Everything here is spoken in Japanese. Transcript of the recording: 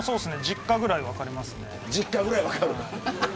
実家ぐらい分かりますね。